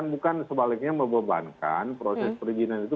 dan bukan sebaliknya membebankan proses perizinan itu